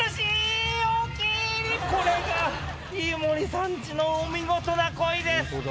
これが飯森さん家のお見事な鯉です。